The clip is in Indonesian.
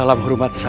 salam hurmat salam